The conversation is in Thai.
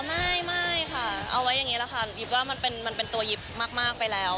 ไม่ค่ะเอาไว้อย่างนี้แหละค่ะยิบว่ามันเป็นตัวยิบมากไปแล้ว